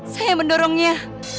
saya yang mendorongnya